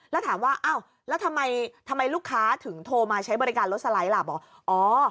แล้วถามว่าอ้าวแล้วทำไมลูกค้าถึงโทรมาใช้บริการรถสไลด์ล่ะบอกอ๋อ